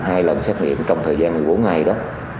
lần ba lần xét nghiệm trong thời gian một mươi bốn ngày đó